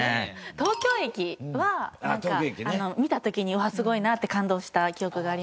東京駅はなんか見た時にうわっすごいなって感動した記憶があります。